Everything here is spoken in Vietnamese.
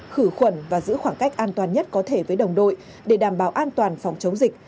khử khuẩn và giữ khoảng cách an toàn nhất có thể với đồng đội để đảm bảo an toàn phòng chống dịch